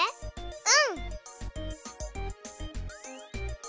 うん！